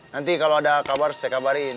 nanti kalau ada kabar saya kabarin